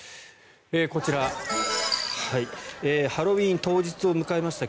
こちらハロウィーン当日を迎えました